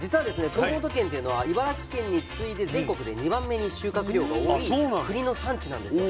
熊本県っていうのは茨城県に次いで全国で２番目に収穫量が多いくりの産地なんですよ。